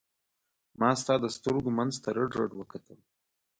ما ستا د سترګو منځ ته رډ رډ وکتل.